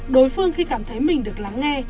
đối phương khi cảm thấy mình được lắng nghe